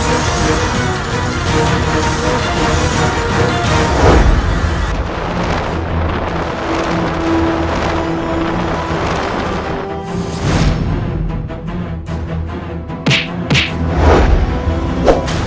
ibu dahat tolong aku